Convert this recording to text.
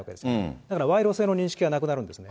だから賄賂性の認識は亡くなるんですね。